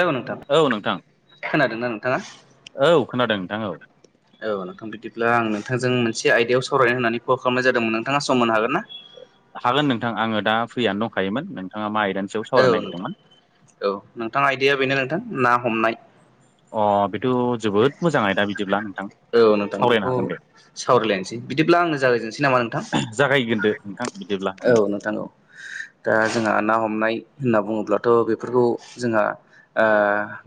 Hello नोंथां औ नोंथां खोनादोंना नोंथाङा? औ खोनादों नोंथां औ औ नोंथां बिदिब्ला आं नोंथांजों मोनसे आयदायाव सावरायनो होननानै कल खालामनाय जादोंमोन नोंथाङा सम होनो हागोन ना? हागोन नोंथां आङो दा फ्रियानो दंखायोमोन नोंथाङा मा आयदानि सायाव औ सावरायनो नोंथां नागिरदोंमोन औ नोंथां आयदाया बेनो नोंथां ना हमनाय। अ बेथ' जोबोद मोजाङै दा बिदिब्ला नोंथां। औ नोंथां सावरायनो बेखौ हागोन दे सावरायलायनोसै बिदिब्ला आंनो जागायजेननोसै नामा नोंथां? बिग्रोदो नोंथां बिदिब्ला। नोंनो औ नोंथा औ दा जोंहा ना हमनाय होनना बुङोब्लाथ' बेफोरखौ जोंहा ओ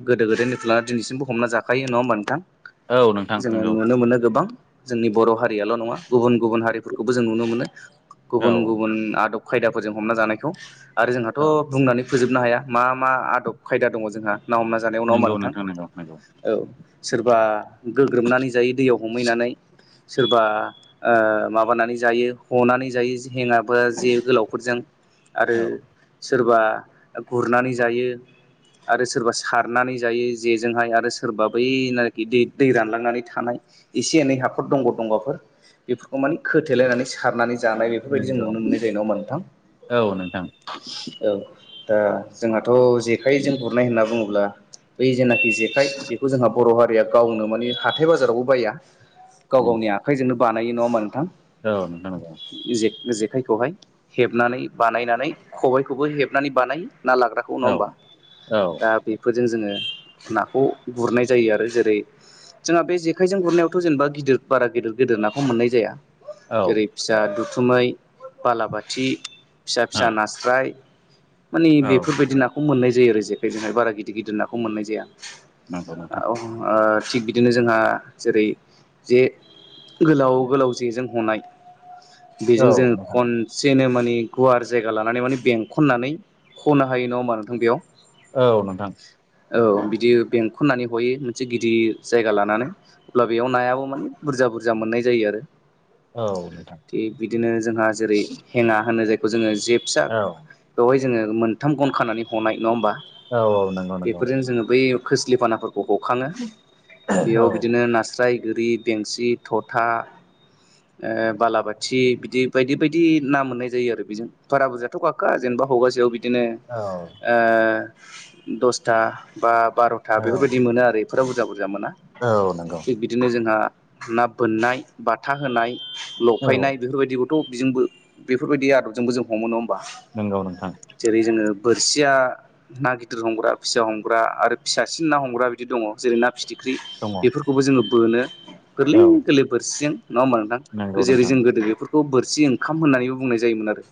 गोदो गोदायनि थुला दिनैसिमबो हमना जाखायो नङा होमबा नोंथां औ नोंथां जोङो नंगौ नुनो मोनो गोबां। जोंनि बर' हारियाल' नङा गुबुन गुबुन हारिफोरखौबो जों नुनो मोनो औ गुबुन गुबुन आदब खायदाफोरजों हमना जानायखौ आरो जोंहाथ' औ बुंनानै फोजोबनो हाया मा मा आदब खायदा दङ जोंहा ना हमना जानायावनाव मा नंगौ नोंथां नंगौ नंगौ औ सोरबा गोग्रोमनानै जायो दैयाव हमहैनानै सोरबा ओ माबानानै जायो हनानै जायो हेङाबा जे गोलावफोरजों। आरो औ सोरबा गुरनानै जायो आरो सोरबा सारनानै जायो जेजोंहाय आरो सोरबा बै ना गिदिर। दै रानलांनानै थानाय एसे एनै हाखर दंग' दंग'फोर बेफोरखौ माने खोथेलायनानै सो खारनानै जानाय बेफोरबायदि जों नंगौ नुनो मोननाय जायो ना नोंथां। औ नोंथां औ दा जोंहाथ' जेखाइजों गुरनाय होनना बुङोब्ला बै जेनाखि जेखाइ बेखौ जोंहा बर' हारिया गावनो मानि हाथाय बाजारावबो बाया गाव नंगौ गावनि आ आखाइजोंनो बानायो नङा होमा नोंथां औ नोंथां नंगौ जे-जेखाइखौहाय हेबनानै बानायनानै खबायखौबो हेबनानै बानाय ना लाग्राखौ नङा औ होमबा औ दा बेफोरजों जोङो नाखौ गुरनाय जायो आरो जेरै। जोंहा बे जेखायजों गुरनायावथ' जेनेबा गिदिर बारा गिदिर गिदिर नाखौ मोननाय जाया औ जेरै फिसा दुथुमै बालाबाथि फिसा औ फिसा नास्राय। मानि औ बेफोरबायदि नाखौ मोननाय जायो आरो जेखाय जहाय बारा गिदिर गिदिर नाखौ मोननाय जाया। नंगौ नोंथां औ ओ थिग बिदिनो जोंहा जेरै जे। गोलाव गोलाव जेजों हनाय औ बेजों जों नोंथां खन जेनो मानानि गुवार जायगा लानानै माने बेंखननानै खनो हायो नङा होमा नोंथां बेयाव औ नोंथां औ बिदि बेंखननानै हयै मोनसे गिदिर जायगा लानानै अब्ला बेयाव नायाबो माने बुरजा बुरजा मोननाय जायो आरो औ नोंथां थि बिदिनो जोंहा जेरै हेना होनो जायखौ जोङो जे फसा औ बेवहाय जोङो मोनथाम गन खानानै हनाय नङा होमबा? औ औ नंगौ नंगौ बेफोरजों जोङो बै खोस्लिफानाफोरखौ हखाङो। औ बेयाव बिदिनो नास्राय गोरि बेंसि थथा ओ बालाबाथि बिदि बायदि बायदि ना मोननाय जायो आरो बेजों बारा बुरजायाथ' गाखो जेनेबा हगासेयाव बिदि बिदिनो औ ओ दसथा बा बार'था बेफोरबायदि औ मोनो आरो फोर बुरजा बुरजा मोना औ नंगौ थिग बिदिनो जोंहा ना बोननाय बाथा होनाय औ लफायनाय बेफोरबायदिखौथ' बिजोंबो बेफोरबायदि आदबजोंबो जों हमो नङ होमबा। नोंगौ नोंथां जेरै जोङो बोरसिया ना गिदिर हमग्रा फिसा हमग्रा आरो फिसासिन ना हमग्रा बिदि दङ जेरै ना फिथिख्रि दङ बेफोरखौबो जोङो बोनो गोरलै औ गोरलै बोरसिजों नङा होमबा नोंथां। नंगौ जेरै नोंथां जों गोदो बेफोरखौ बोरसि ओंखाम होननानैबो बुंनाय जायोमोन आरो।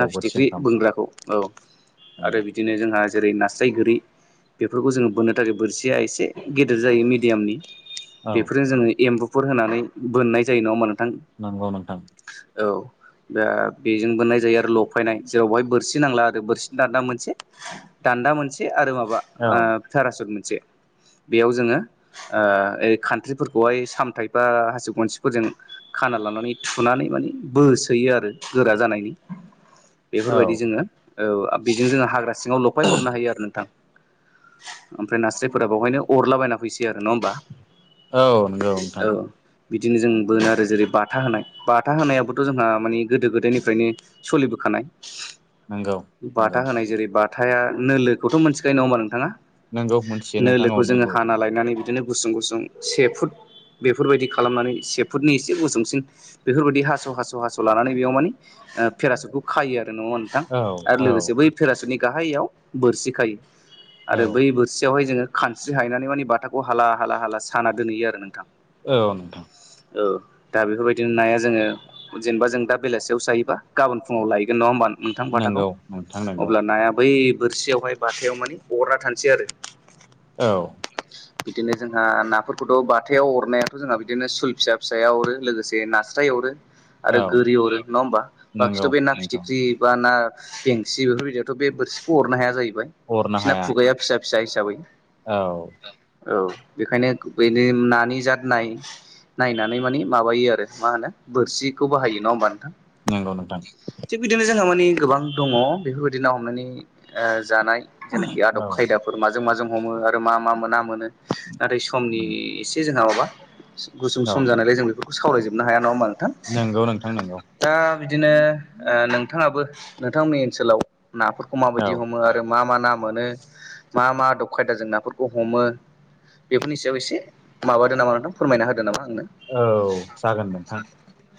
ना बोरसि फिथिख्रि ओंखाम बोनग्राखौ औ आरो बि नंगौ बिदिनो जोंहा जेरै नास्राय गोरि बेफोरखौ जोङो बोननो थाखाय बोरसिया एसे गेदेर जायो मिडियामनि औ बेफोरजों जोङो एम्बुफोर होनानै बोननाय जायो नङाहोमबा नोंथां नंगौ नोंथां औ दा बेजों बोननाय जायो आरो लफायनाय जेराव बेहाय बोरसि नांला आरो बोरसि ना मोनसे दान्दा मोनसे आरो माबा औ पेरासन मोनसे। बेयाव जोङो ओै खान्थ्रिफोरखौहाय सामथायाइ बा हासिब गनसिफोरजों खाना लानानै थुनानै माने बोसोयो आरो गोरा जानायनि। औ बेफोरबायदि जोङो ओव बेजों जोङो हाग्रा सिङाव लफाय हरनो हायो आरो नोंथां। ओमफ्राय नास्रायफोरा बेावहायनो अरलाबायायना फैसै आरो नङा होमबा? औ नंगौ नोंथां औ बिदिनो जों बोनो आरो जेरै बाथा होनाय बाथा होनायाबोथ' जोंहा मानिे गोदो गोदायनिफ्रायनो सोलिबोखानाय। नंगौ नंगौ बाथा होनाय जेरै बाथा नोलो' मोनथिखायो नङा होनोमा नोंथाङा नोंगौ मोनथियो नोंथां नोलोखौ जोङो अनैलो हाना लायनानै बिदिनो गुसुं -गुसुं से फुट बेफोरबायदि खालामनानै से फुटनि एसे गुसुंसिन बेफोरबायदि हास'- हास' -हास' लानानै बेयाव मानिे पेरासुटखौ खायो आरो नङा होन नोंथां औ आरो औ लोगोसे बै फेरासुनि गाहायाव बोरसि खायो। औ आरो बै बोसियावहाय जोङो खानस्रि हायनानै माने बाथाखौ हाला -हाला- हाला साना दोनहैयो आरो नोंथां। औ नोंथां औ दा बेफोरबायदिनो नाया जोङो जेनेबा जों दा बेलासियाव जायोबा गाबोन फुङाव लायगोन नङा होनोमबा नोंथां बाथाखौ नंगौ नोंथां नंगौ अब्ला नाया बै बोरसियावहाय बथायाव माने अरना थानोसै आरो। औ बिदिनो जोंहा नाफोरखौथ' बाथायाव अरनायाथ' जोंहा बिदिनो सुल फिसा फिसाया अरो लोगोसे ना हास्राय अरो आरो औ गोरि अरो नङा होमबा बाखिथ' नंगौ बे ना नोंथां फिथिख्रि बा ना बेेंसि बेफोरबायदियावथ' बे बोरसिखौ अरनो हाया जाहैबाय हरनो बिसिना हाया खुगाया फिसा -फिसा हिसाबै औ औ बेखायनो बेनि नानि जाद नाय नायनानै माने माबायो आरो मा होनो बोरसिखौ बाहायो नङा होमबा नोंथां। नोंगौ नोंथां थिग बिदिनो जोंहा माने गोबां दङ बेफोरबायदि ना हमनानै जानाय जेनाखि आदब औ खायदाफोर माजों माजों हमो आरो आरो मा मा मोना- मोनो नाथाय समनि उम एसे जोंहा माबा गुसुं औ सम जानायलाय जों बेखौ बे खौ सावरायजोबनो हाया नङा होमा नोंथां नंगौ नोंथां नंगौ दा बिदिनो नोंथाङाबो नोंथांमोननि ओनसोलाव नाफोरखौ औ माबायदि हमो आरो मा मा ना मोनो मा मा आदब खायदा जों ना नफोरखौ हमो बेफोरनि सायाव एसे माबादो नामा नोंथां फोरमायना होदो नामा नोंथां। औ जागोन नोंथां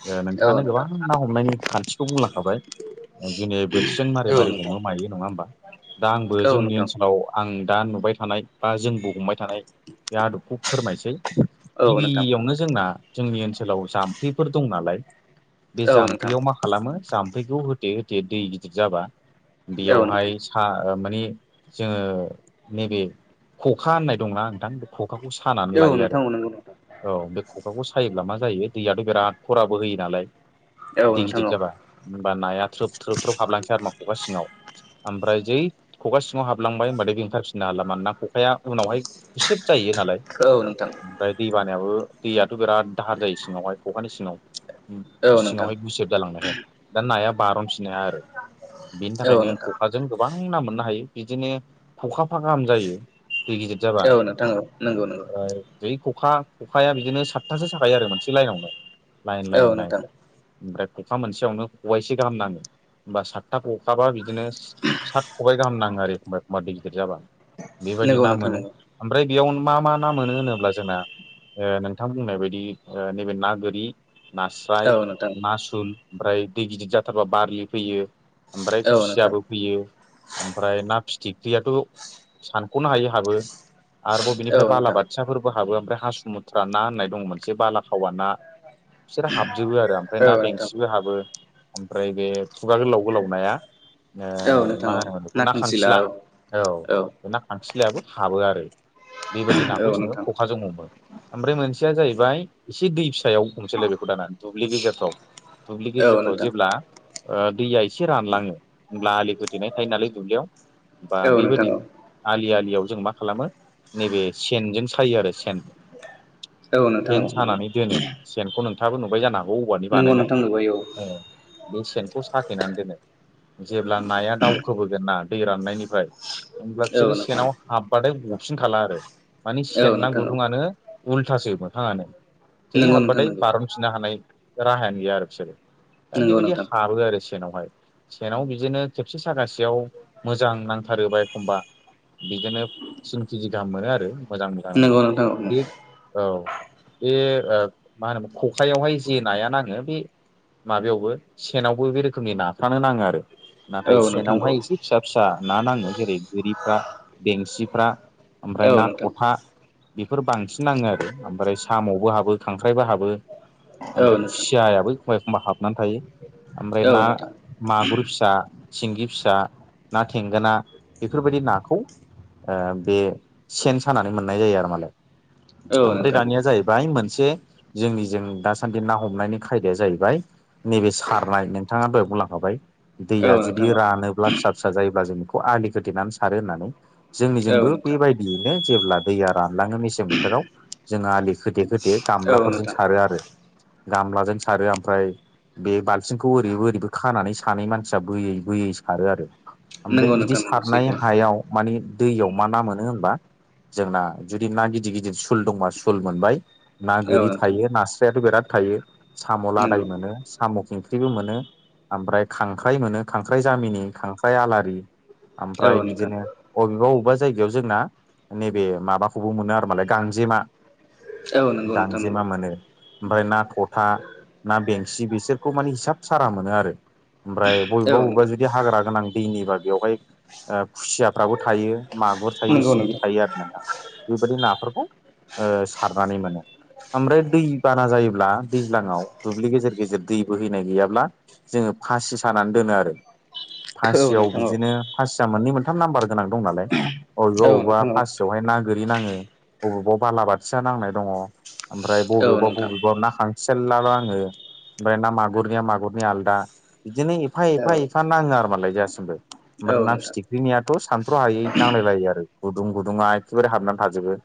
ओ औ नोंथाङानो नोंथां गोबां ना हमनायनि खान्थिखौ बुंलांखाबाय। जुनि बोरसिजों मारै औ -मारै नोंथां हमो मायो नङा होमबा दा आंबो औ जोंनि नोंथां ओनसोलाव आं दा नुबाय थानाय बा जोंबो हमबाय थानाय बे आदबखौ फोरमायसै औ नोंथां गिबियावनो जोंना जोंनि ओनसोलाव जाम्फैफोर दं नालाय बे औ नोंथां जाम्फैयाव मा खालामो जाम्फैखौ होथे- होथे दै गिदिर जाबा औ नोंथां बेयावहाय खा ओ माने जोङो नैबे खखा होननाय दंना नोंथां? खखाखौ सानानै औ लायो आरो नोंथां औ नंगौ नंगौ। औ बे खखाखौ सायोब्ला मा जायो दैयाथ' बिराद खराबो होयो नालाय औ दै नोंथां गिदिर औ जाबा होमबा नाया थ्रोब थ्रोब थ्रोब हाबलांसै आरो मा ख'खा सिङाव ओमफ्राय जै खखा सिङाव हाबलांबाय होनबाथाय बेंखारफिननो हाला मानोना खखाया उनावहाय गुसेब जायो नालाय औ नोंथां ओमफ्राय दै बानायाबो दैयाथ' बिराद दाहार जायो सिङावहाय खखानि सिङाव औ नोंथां सिङावहाय गुसेब जालांनायहाय दा नाया बारनफिनो आरो बिनि औ थाखायनो नोंथां अखा जों गोबां ना मोननो हायो बिदिनो खखाफा गाहाम जायो। दै गिदिर जाबा औ नोंथां औ नंगौ नंगौ [unintelligible] जै खखा खखाया बिदिनो सातथासो साखायायो आरो मोनसे लाइनावनो लाइन औ लाइन लाइन नोंथां लाइन ओमफ्राय खखा मोनसेयावनो खबाइसे गाहाम नांहो, होमबा सातथा खखाबा बिदिनो सात खबायाइ गाहाम नाङो आरो एखमबा एखमबा दै गिदिर जाबा बेबायदि नंगौ ना नोंथां मोनो नंगौ ओमफ्राय बेयाव मा मा ना मोनो होनोब्ला जोंना ओ नों नोंथां बुंनाय बायदि ओ नैबे ना गोरि नास्राय औ नोंथां ना सुल ओमफ्राय दै गिदिर जाथारबा बारलि फैयो ओमफ्राय औ नोंथां खुसियाबो फैयो। ओमफ्राय ना फिथिख्रियाथ' सानख'नो हायो हाबो। आरोबाव औ बिनिफ्राय नोंथां बालाबाथियाफोरबो हाबो ओमफ्राय हासुुमुथ्रा ना होननाय दं। मोनसे बालाखावा ना बिसोरो हाबजोबो आरो ओमफ्राय ना औ नोंथां बेंसिबो हाबो ओमफ्राय बे, खुगा गोलाव गोलाव नाया ओ औ नोंथां मा औ होनोमोन बेखौ ना खांसिला खांखिला औ औ ना खांखिलायाबो हाबो आरो बेबायदि औ नाखौ जोङो नोंथां खखाजों हमो, ओमफ्राय मोनसेया जाहैबाय एसे दै फिसायाव, नुसै लोगोफोर दाना दुब्लि गेजेरफ्राव दुब्लि औ गेजेरफ्राव नोंथां जेब्ला ओ दैया एसे रानलाङो होमब्ला आलि खोथेनाय थायो नालाय दुब्लियाव बा औ नोंथां बेबायदि औ आलि आलियाव जों मा खालामो नैबे सेनजों सायो आरो सेन औ नोंथां सेन औ सानानै दोनो सेनखौ नोंथाङाबो नुबाय जानो हागौ औवानि नंगौ नंगौ बानायनाय नोंथां नंगौ आयौ औ, बे सेनखौ साखेनानै दोनो जेब्ला नाया दावखोबोगोन ना दै राननायनिफ्राय, ओनब्ला बिसोरो औ नोंथां सेनाव हाबबाथाय गफिन खाला आरो माने औ सेनना नोंथां औ गुदुं आनो, उल्थासो मोथाङानो जै नंगौ नोंथां हाबबाथाय नंगौ बारन फिननो हानाय राहायानो गैया आरो बिसोरो दा नंगौ बेबायदि नोंथां हाबो आरो सेनावहाय, सेनाव बिदिनो खेबसे सागासेयाव मोजां नांथारोबा एखमबा, बिदिनो तिन केजि गाहाम मोनो आरो मोजां नंगौ जानांबा नोंथां औ बे औ बे मा होनोम खखायावहाय जे नाया नाङो बे माबायावबो सेनावबो बे रोखोमनि नाफ्रानो नाङो आरो औ नाथाय नोंथां सेनावहाय एसे औ फिसा फिसा ना नाङो जेरै गोरिफ्रा बेंसिफ्रा ओनफ्राय औ ना नोंथां थथा बेफोर बांसिन नाङो आरो ओमफ्राय साम'बो हाबो खांख्राइबो हाबो, औ ओमफ्राय नोंथां खुसियाबो एखमबा एखमबा हाबनानै थायो। ओमफ्राय औ ना नोंथां मागुर फिसा सिंगि फिसा ना थेंगोना, बेफोरबायदि नाखौ ओ बे सेन सानानै मोननाय जायो। आरो मालाय, औ ओमफ्राय नोंथां दानिया जाहैबाय मोनसे जोंनि जों दासान्दि ना हमनायनि खायदाया जाहैबाय। नैबे सारनाय नोंथाङा दहाय बुंलांखाबाय दैया औ जुदि नोंथां रानोब्ला फिसा फि फिसा जायोब्ला जों बेखौ आलि खोथेनानै सारो होननानै औ जोंनिजोंबो नोंथां बेबायदि, बेनो जेब्ला दैया रानलाङो मिसि फोथाराव जोंङो आलि खोथे खोथे औ गामलाफोरजों नोंथां सारो आरो गामलाजों सारो ओमफ्राय बे बालथिंखौ ओरैबो ओरैबो खानानैसो सानै मानसिया बोयै बोयै सारो आरो ओमफ्राय नंगौ बिदि नोंथां नंगौ सारनाय सैथो हायाव मानि दैयाव मा ना मोनो होनबा जोंना जुदि ना गिदिर गिदिर सुल दंबा सुल मोनबाय ना औ गोरि नोंथां थायो नास्रायाथ' बिराद थायो। साम' लादाय नंगौ मोनो, साम' ओंख्रिबो मोनो ओमफ्राय खांख्राइ मोनो खांख्राइ जामिनि खांख्राइ आलारि ओमफ्राय औ नोंथां बिदिनो अबेबा अबेबा जायगायाव जोंना नैबे माबाखौबो मोनो आरो मालाय, गांजेमा औ नंगौ नोंथां नंगौ गांजेमा मोनो, ओमफ्राय ना थ'था ना बेंसि बिसोरखौ माने हिसाब सारा मोनो आरो ओमफ्राय औ बबेबा बबेबा नोंथां जुदि हाग्रा गोनां दैनिबा बेवहाय, ओ खुसियाफ्राबो थायो मागुर थायो नंगौ सिंगि नोंथां थायो आरो ना नोंथां बेबायदि नाफोर ओ सारनानै मोनो, ओमफ्राय दै बारा जायोब्ला दैज्लांआव दुब्लि गेजेर गेजेर दै बोहैनाय गैयाब्ला जोंङो फासि सानानै दोनो आरो औ फासियाव नोंथां औ बिदिनो फासिया मोननै मोनथाम नाम्बार गोनां दं नालाय अबेबा औ अबेबा नोंथां फासि बेवहाय ना गोरि नाङो अबावबा बालाबाथिया नांनाय दङ। ओमफ्राय औ बबेबा नोंथां बबेबा ना खां सेला नाङो ओमफाय ना मागुरनिया मागुरनि आलदा बिदिनो एफा एफा औ एफा फा नाङो आरो मालाय दासिमबो ओमफ्राय औ ना नोंथां फिथिख्रिनियाथ' सानथ्र' हायै नांलायलायो आरो। गुदुं गुदुङा एखेबारे हाबनानै थाजोबो।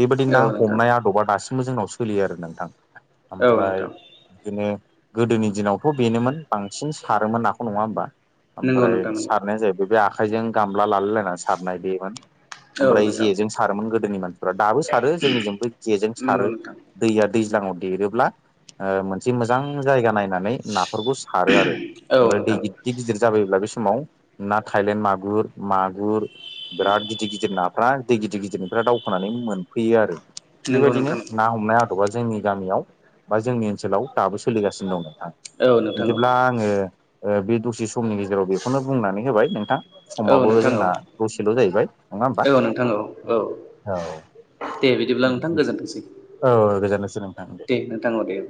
बेबायदि ना औ नोंथां हमनाय आदबा दासिमबो जोंनाव सोलियो आरो नोंथां औ ओमफ्राय नोंथां बिदिनो गोदोनि दिनावथ' बेनोमोन बांसिन सारोमोन नाखौ नङा होमबा? नंगौ ओमफ्राय नोंथां नंगौ सारनाया जाहैबाय बे आखाइजों गामला लालायलायनानै सारनाय बेमोन औ ओमफ्राय नोंथां जेजों सारोमोन गोदोनि मानसिफोरा दाबो सारो जोंनिजों बै जेजों नंगौ सारो। नोंथां दैया दैज्लांआव देरोब्ला ओ मोनसे मोजां जायगा नाय नानै नाफोरखौ सारो आरो औ दै नोंथां गि दिर गिदिर जाबायोब्ला बे समाव ना थायलेण्ड मागुर, मागुर बिराद गिदिर गिदिर नाफ्रा दै गिदिर गिदिनिफ्रा दाउ खोनानै मोनफैयो आरो नंगौ बेबायदिनो नोंथां ना ना हमनाय आदबा जोंनि गामियाव बा जोंनि ओनसोलाव दाबो सोलिगासिनो दं नोंथां औ नोंथां बिदिब्ला ओ ओ बे दसे समनि गेजेराव बेखौनो बुंनानै होबाय नोंथां औ समाबो नोंथां औ जोंना दसेल' जाहैबाय नंङा ओमबा? औ नोंथां औ औ दे बिदिब्ला नोंथां बिदि गोजोन्थोंसै औ गोजोननोसै नोंथां दे नोंथां औ दे।